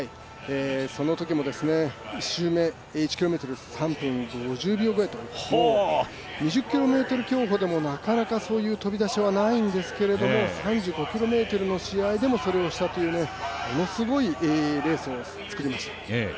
そのときも、１周目１ｋｍ３分５０秒ぐらいで２０ｋｍ競歩でも、なかなかそういう飛び出しはないんですけど３５ｋｍの試合でもそれをしたというものすごいレースをつくりました。